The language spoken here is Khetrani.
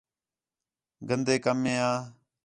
گندے کمّیں آ